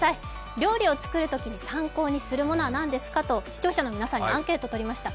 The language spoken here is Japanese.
料理を作るときに参考にするものは何ですかと視聴者の皆さんにアンケートを取りました。